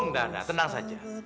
nggak nah tenang saja